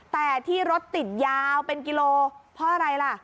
แต่ที่รถติดยาวเป็นกิโลเพราะอะไรล่ะ